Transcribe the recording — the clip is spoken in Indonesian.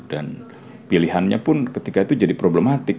dan pilihannya pun ketika itu jadi problematik